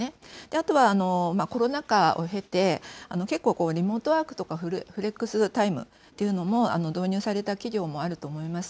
あとはコロナ禍を経て、結構、リモートワークとかフレックスタイムというのも導入された企業もあると思います。